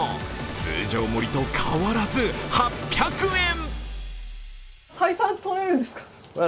通常盛りと変わらず、８００円。